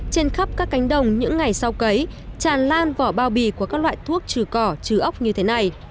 trên khắp các cánh đồng những ngày sau cấy tràn lan vỏ bao bì của các loại thuốc trừ cỏ chứa ốc như thế này